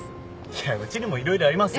いやうちにも色々ありますよ。